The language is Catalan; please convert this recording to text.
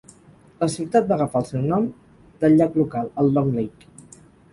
La ciutat va agafar el seu nom del llac local, el Long Lake.